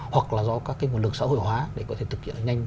hoặc là do các cái nguồn lực xã hội hóa để có thể thực hiện nhanh